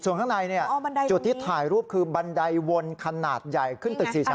ข้างในเนี่ยจุดที่ถ่ายรูปคือบันไดวนขนาดใหญ่ขึ้นตึก๔ชั้น